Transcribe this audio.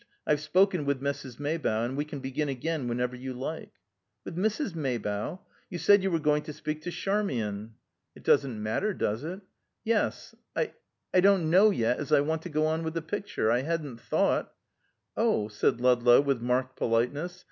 I've spoken with Mrs. Maybough, and we can begin again whenever you like." "With Mrs. Maybough? You said you were going to speak to Charmian!" "It doesn't matter, does it?" "Yes. I I don't know yet as I want to go on with the picture. I hadn't thought " "Oh!" said Ludlow, with marked politeness.